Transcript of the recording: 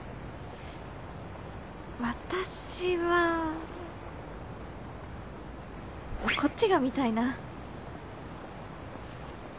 私はこっちが見たいな。